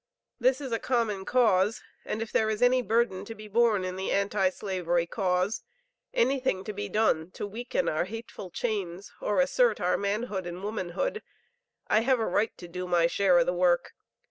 This is a common cause; and if there is any burden to be borne in the Anti Slavery cause anything to be done to weaken our hateful chains or assert our manhood and womanhood, I have a right to do my share of the work.